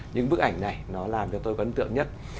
nhưng bức ảnh này nó làm cho tôi có ấn tượng nhất